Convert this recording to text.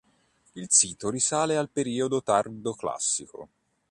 Il sito risale al periodo tardo classico.